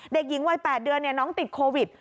เด็กหญิงวัย๘เดือนน้องติดโควิด